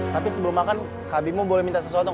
tapi sebelum makan kak bimo boleh minta sesuatu